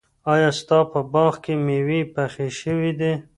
ایا ستا په باغ کې مېوې پخې شوي دي؟